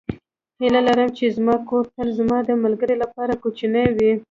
هیله لرم چې زما کور تل زما د ملګرو لپاره کوچنی وي.